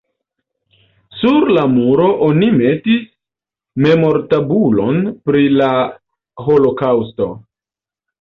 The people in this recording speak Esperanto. Sur la muro oni metis memortabulon pri la holokaŭsto.